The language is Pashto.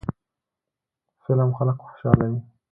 فلم خلک خوشحالوي